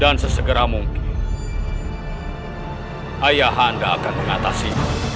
dan sesegera mungkin ayah anda akan mengatasi